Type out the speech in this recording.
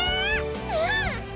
うん！